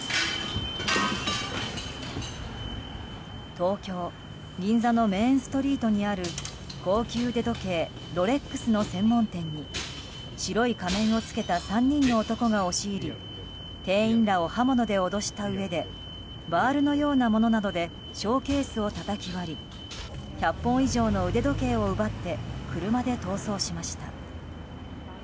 東京・銀座のメインストリートにある高級腕時計ロレックスの専門店に白い仮面を着けた３人の男が押し入り店員らを刃物で脅したうえでバールのようなものなどでショーケースをたたき割り１００本以上の腕時計を奪って車で逃走しました。